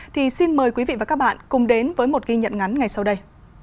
thì xin mời quý vị và các bạn cùng đến với một ghi nhận ngắn ngay sau đây